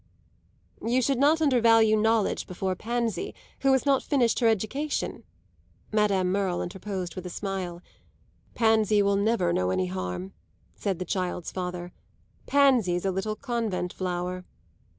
"You should not undervalue knowledge before Pansy, who has not finished her education," Madame Merle interposed with a smile. "Pansy will never know any harm," said the child's father. "Pansy's a little convent flower."